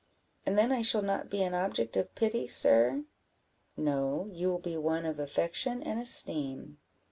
"And then I shall not be an object of pity, sir?" "No, you will be one of affection and esteem."